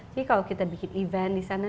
jadi kalau kita bikin event di sana